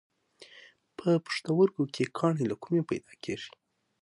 په پښتورګو کې کاڼي له کومه پیدا کېږي؟